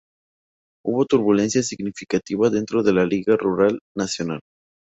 Hubo turbulencia significativa dentro de la Liga Rural Nacional.